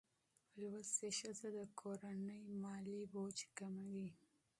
زده کړه ښځه د کورنۍ مالي فشار کموي.